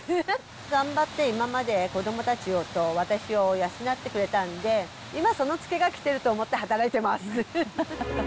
頑張って今まで、子どもたちと私を養ってくれたんで、今、そのつけがきてると思って働いてます。